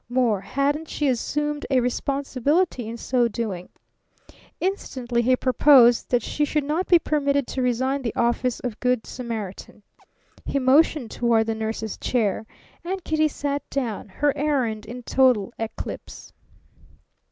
More, hadn't she assumed a responsibility in so doing? Instantly he purposed that she should not be permitted to resign the office of good Samaritan. He motioned toward the nurse's chair; and Kitty sat down, her errand in total eclipse.